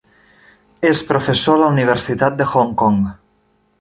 És professor a la Universitat de Hong Kong.